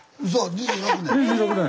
２６年？